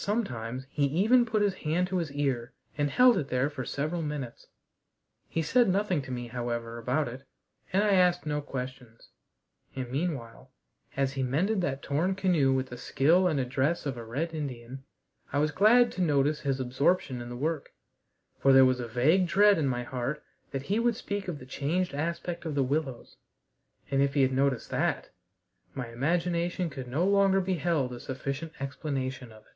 Sometimes he even put his hand to his ear and held it there for several minutes. He said nothing to me, however, about it, and I asked no questions. And meanwhile, as he mended that torn canoe with the skill and address of a red Indian, I was glad to notice his absorption in the work, for there was a vague dread in my heart that he would speak of the changed aspect of the willows. And, if he had noticed that, my imagination could no longer be held a sufficient explanation of it.